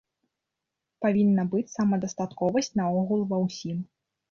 Павінна быць самадастатковасць наогул ва ўсім.